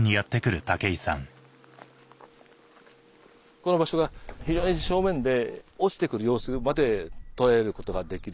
この場所が非常に正面で落ちて来る様子まで捉えることができる。